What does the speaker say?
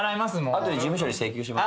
後で事務所に請求します。